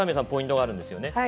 ポイントがあるんですよね。